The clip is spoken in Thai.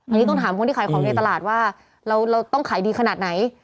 อันนี้ต้องถามคนที่ขายของในตลาดว่าเราต้องขายดีขนาดไหน